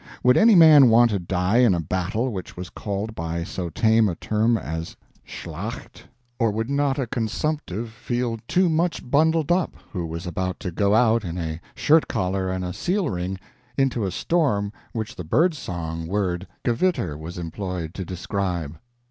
Would any man want to die in a battle which was called by so tame a term as a SCHLACHT? Or would not a comsumptive feel too much bundled up, who was about to go out, in a shirt collar and a seal ring, into a storm which the bird song word GEWITTER was employed to describe?